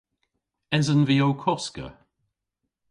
Esen vy ow koska?